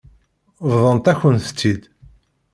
Bḍant-akent-tt-id.